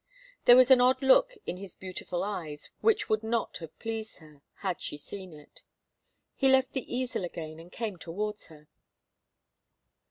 There was an odd look in his beautiful eyes which would not have pleased her, had she seen it. He left the easel again and came towards her.